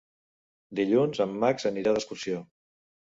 Dilluns en Max anirà d'excursió.